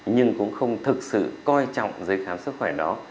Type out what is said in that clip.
nhưng cũng không thực sự coi trọng giấy khám sức khỏe đó